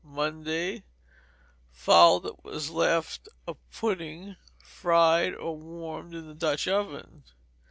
Monday Fowl, what was left of pudding fried, or warmed in the Dutch oven.